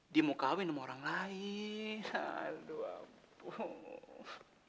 dia mau kawin sama orang lain aduh ampun